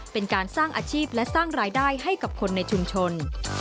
เป็นการสร้างอาชีพและสร้างรายได้ให้กับคนในชุมชน